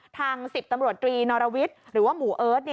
๑๐ตำรวจตรีนอรวิทย์หรือว่าหมู่เอิร์ท